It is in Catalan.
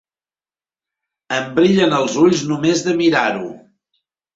Em brillen els ulls només de mirar-ho.